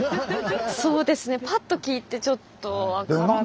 そうですねパッと聞いてちょっと分からないですね。